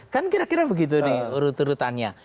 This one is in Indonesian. kan kira kira begitu nih urut urutannya